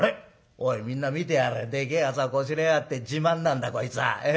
おいみんな見てやれでけえあざこしらえやがって自慢なんだこいつは。え？